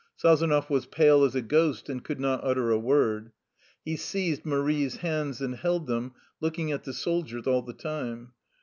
Sazonov was pale as a ghost, and could not utter a word. He seized Marie's hands, and held them, looking at the soldiers all the time.